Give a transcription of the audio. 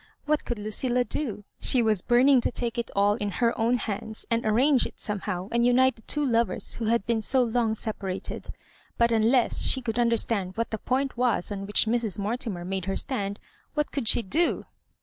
What could Lucilla do ? She was burning to take it all in her own hands, and arrange it somehow, and unite the two lovers who had, been so long separated ; but unless she could understand, wjiat the point was on which Mrs. Mortimer made her stand, what could she do